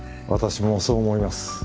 私もそう思います。